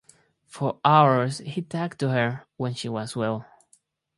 For hours he talked to her, when she was well.